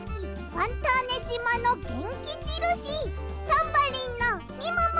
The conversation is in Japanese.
ファンターネじまのげんきじるしタンバリンのみもも！